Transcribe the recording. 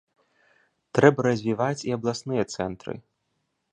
Трэба развіваць і абласныя цэнтры.